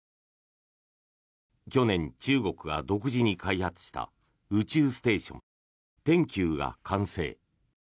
去年、中国が独自に開発した宇宙ステーション、天宮が完成。